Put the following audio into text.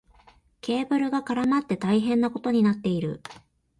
ケーブルが絡まって大変なことになっている。